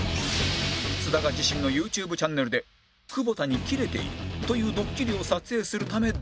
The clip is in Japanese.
津田が自身のユーチューブチャンネルで久保田にキレているというドッキリを撮影するため電話